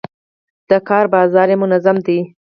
د کار بازار یې منظم دی.